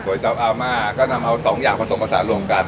ก๋วยจับอามาก็ทำเอา๒อย่างผสมภาษาร่วมกัน